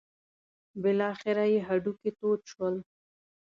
بالاخره یې هډوکي تود شول.